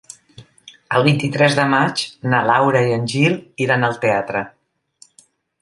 El vint-i-tres de maig na Laura i en Gil iran al teatre.